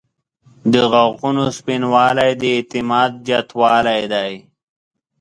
• د غاښونو سپینوالی د اعتماد زیاتوالی دی.